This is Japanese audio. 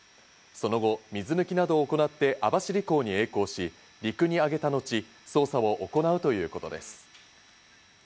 その後、水抜きなどを行って網走港にえい航し、陸にあげたのち、捜査を行うということです。